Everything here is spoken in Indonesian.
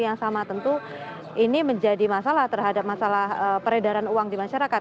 yang sama tentu ini menjadi masalah terhadap masalah peredaran uang di masyarakat